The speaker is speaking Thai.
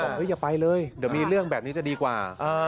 อย่าไปเลยเดี๋ยวมีเรื่องแบบนี้จะดีกว่า